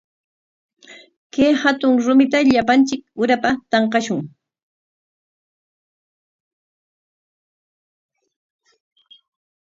Kay hatun rumita llapanchik urapa tanqashun.